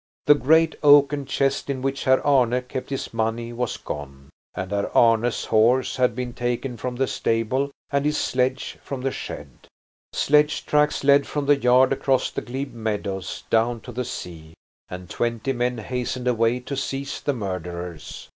The great oaken chest in which Herr Arne kept his money was gone, and Herr Arne's horse had been taken from the stable and his sledge from the shed. Sledge tracks led from the yard across the glebe meadows down to the sea, and twenty men hastened away to seize the murderers.